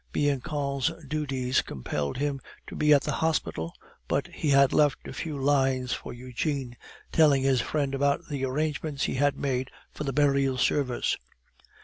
Bianchon's duties compelled him to be at the hospital, but he had left a few lines for Eugene, telling his friend about the arrangements he had made for the burial service.